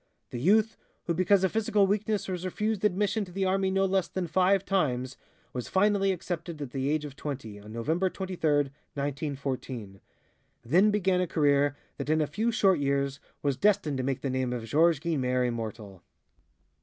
The youth, who because of physical weakness was refused admission to the army no less than five times, was finally accepted at the age of twenty, on November 23, 1914. Then began a career that in a few short years was destined to make the name of Georges Guynemer immortal.